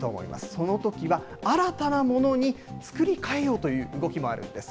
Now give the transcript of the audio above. そのときは、新たなものに作り替えようという動きもあるんです。